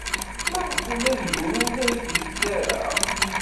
Maɣef ula d yiwen ur la d-yettarra?